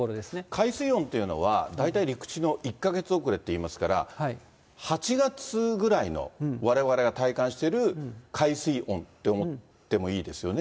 海水温というのは、大体陸地の１か月遅れといいますから、８月ぐらいの、われわれが体感している海水温って思ってもいいですよね？